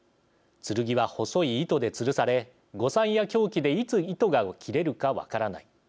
剣は細い糸でつるされ誤算や狂気でいつ糸が切れるか分からない」